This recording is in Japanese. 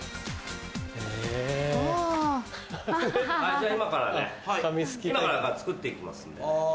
じゃあ今からね今から作って行きますんで。